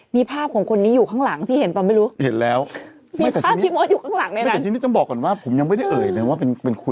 มีภาพของคนนี้อยู่ข้างหลังพี่เห็นป๊อบไม่รู้